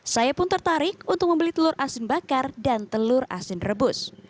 saya pun tertarik untuk membeli telur asin bakar dan telur asin rebus